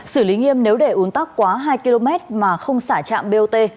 sử lý nghiêm nếu để uốn tắc quá hai km mà không xả trạm bot